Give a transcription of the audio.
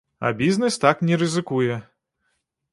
А бізнес так не рызыкуе.